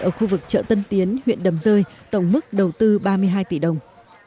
ở khu vực chợ tân tiến huyện đầm rơi tổng mức đầu tư ba mươi hai tỷ đồng